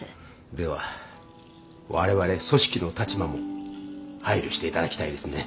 では我々組織の立場も配慮して頂きたいですね。